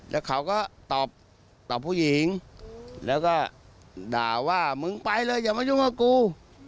แล้วเขาก็ตอบตอบผู้หญิงแล้วก็ด่าว่ามึงไปเลยอย่ามายุ่งกับกู